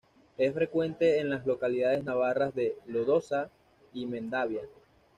Es frecuente en las localidades navarras de Lodosa y Mendavia.